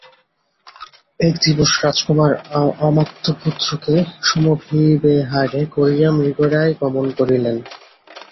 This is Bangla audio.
এক দিবস রাজকুমার অমাত্যপুত্রকে সমভিব্যাহারে করিয়া মৃগয়ায় গমন করিলেন।